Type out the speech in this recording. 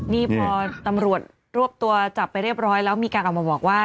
นี่พอตำรวจรวบตัวจับไปเรียบร้อยแล้วมีการออกมาบอกว่า